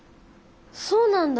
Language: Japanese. そうなんだ。